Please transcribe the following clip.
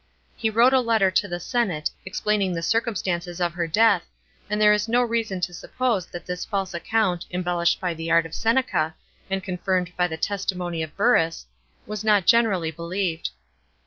He wrote a letter to the senate, explaining the circumstances of her death, and there is no reason to suppose that this false account, embellished by the art of Seneca, and confirmed by the testimony of Burrus, was not generally believed.